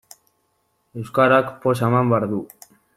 Euskarak poza eman behar du.